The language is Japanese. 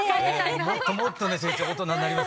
もっともっとね大人になります